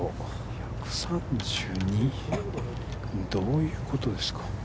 どういうことですか。